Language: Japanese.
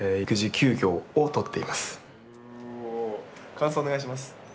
感想お願いします。